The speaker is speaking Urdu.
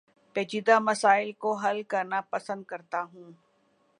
پیچیدہ مسائل کو حل کرنا پسند کرتا ہوں